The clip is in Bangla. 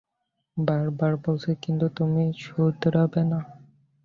বার বার বলছি, কিন্তু তুমি শুধরাবে না।